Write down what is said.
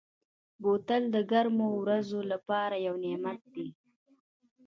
بوتل د ګرمو ورځو لپاره یو نعمت دی.